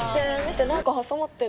見て。